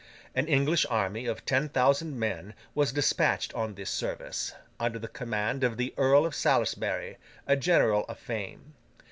An English army of ten thousand men was despatched on this service, under the command of the Earl of Salisbury, a general of fame.